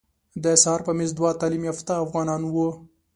د سهار په میز دوه تعلیم یافته افغانان وو.